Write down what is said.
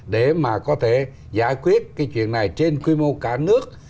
để mà có thể giải quyết cái chuyện này trên quy mô cả nước